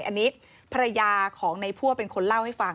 อันนี้ภรรยาของในพั่วเป็นคนเล่าให้ฟัง